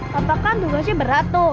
papa kan tugasnya berat tuh